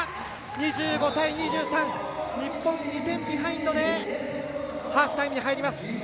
２５対２３。日本、２点ビハインドでハーフタイムに入ります。